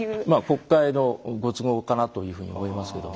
国会のご都合かなというふうに思いますけれども。